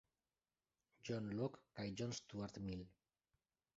John Locke kaj John Stuart Mill.